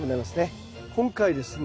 今回ですね